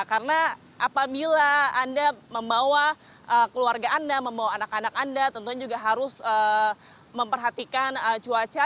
karena apabila anda membawa keluarga anda membawa anak anak anda tentunya juga harus memperhatikan cuaca